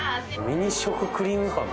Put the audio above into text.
ミニ食クリームパン